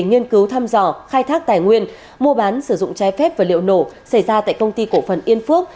nghiên cứu thăm dò khai thác tài nguyên mua bán sử dụng trái phép và liệu nổ xảy ra tại công ty cổ phần yên phước